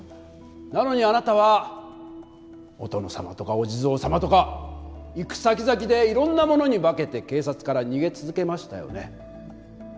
なのにあなたはお殿様とかお地蔵様とか行くさきざきでいろんなものに化けて警察から逃げ続けましたよね。